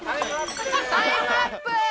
タイムアップです。